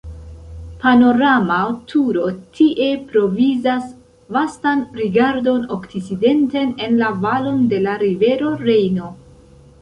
Panorama turo tie provizas vastan rigardon okcidenten en la valon de la rivero Rejno.